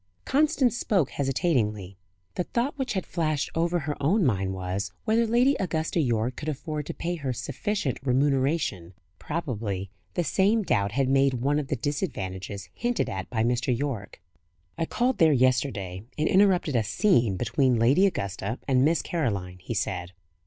Constance spoke hesitatingly. The thought which had flashed over her own mind was, whether Lady Augusta Yorke could afford to pay her sufficient remuneration. Probably the same doubt had made one of the "disadvantages" hinted at by Mr. Yorke. "I called there yesterday, and interrupted a 'scene' between Lady Augusta and Miss Caroline," he said.